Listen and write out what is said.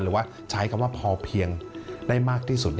หรือว่าใช้คำว่าพอเพียงได้มากที่สุด